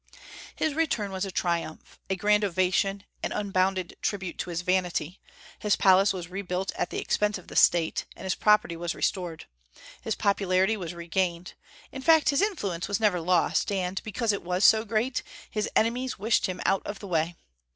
His return was a triumph, a grand ovation, an unbounded tribute to his vanity. His palace was rebuilt at the expense of the State, and his property was restored. His popularity was regained. In fact, his influence was never lost; and, because it was so great, his enemies wished him out of the way.